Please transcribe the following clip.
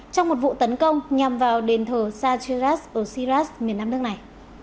trong một vụ tấn công nhằm vào đền thờ sajiraj osiraj miền nam nước này